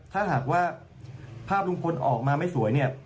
ถ้าหากว่าภาพลุงพลออกมาไม่สวยเนี่ย